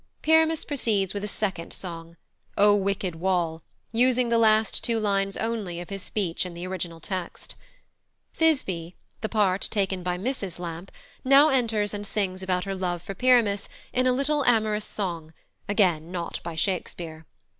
Pyramus proceeds with a second song, "O wicked wall," using the last two lines only of his speech in the original text. Thisbe, the part taken by Mrs Lampe, now enters and sings about her love for Pyramus in a little amorous song, again not by Shakespeare.